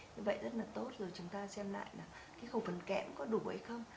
như vậy rất là tốt rồi chúng ta xem lại là cái khẩu phần kẹm có đủ hay không